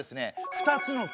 ２つの国？